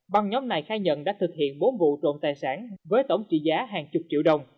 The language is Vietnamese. băng nhóm này khai nhận đã thực hiện bốn vụ trộm tài sản với tổng trị giá hàng chục triệu đồng